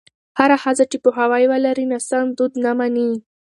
هره ښځه چې پوهاوی ولري، ناسم دود نه مني.